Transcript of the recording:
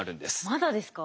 まだですか。